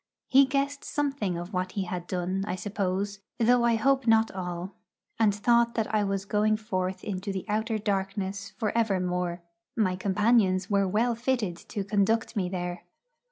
He guessed something of what he had done, I suppose, though I hope not all; and thought that I was going forth into the outer darkness for evermore. My companions were well fitted to conduct me there.